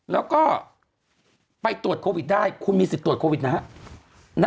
แล้วก็ไปตรวจโควิดได้คุณมีสิทธิ์ตรวจโควิดนะฮะ